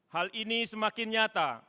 hal ini semakin nyata